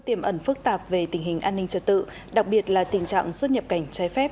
tiếm ẩn phức tạp về tình hình an ninh trật tự đặc biệt là tình trạng xuất nhập cảnh